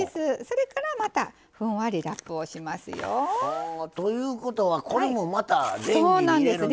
それからまたふんわりラップをしますよ。ということはこれもまたレンジに入れるんですか。